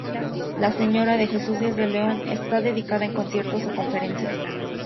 La sala Dr. Jesús Díaz de León, está dedicada a conciertos o conferencias.